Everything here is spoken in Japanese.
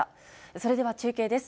それでは中継です。